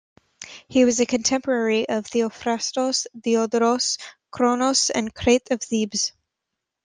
He was a contemporary of Theophrastus, Diodorus Cronus, and Crates of Thebes.